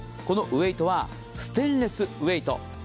このウェイトはステンレスウェイト。